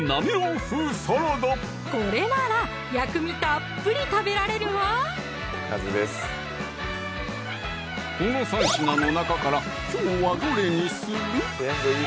これなら薬味たっぷり食べられるわこの３品の中からきょうはどれにする？